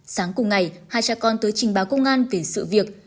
sáng cùng ngày hai cha con tới trình báo công an về sự việc